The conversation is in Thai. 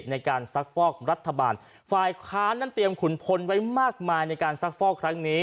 ในการซักฟอกรัฐบาลฝ่ายค้านนั้นเตรียมขุนพลไว้มากมายในการซักฟอกครั้งนี้